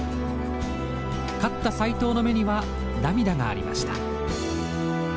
勝った斎藤の目には涙がありました。